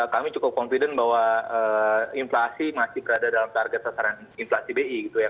kami cukup confident bahwa inflasi masih berada dalam target sasaran inflasi bi gitu ya